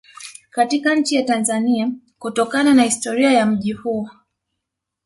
Katika nchi ya Tanzania kutokana na historia ya mji huo